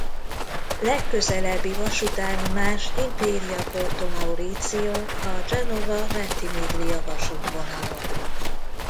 Legközelebbi vasútállomás Imperia-Porto Maurizio a Genova-Ventimiglia vasútvonalon.